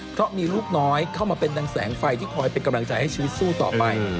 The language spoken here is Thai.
เพราะมีลูกน้อยเข้ามาเป็นดังแสงไฟที่คอยเป็นกำลังใจให้ชีวิตสู้ต่อไป